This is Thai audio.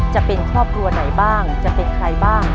จะเป็นครอบครัวไหนบ้างจะเป็นใครบ้าง